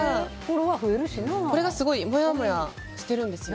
すごいもやもやしてるんです。